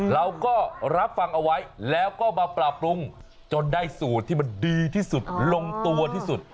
เราก็รับฟังเอาไว้แล้วก็มาปรับปรุงจนได้สูตรที่มันดีที่สุดลงตัวที่สุด